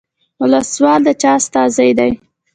ولسوال د چا استازی دی؟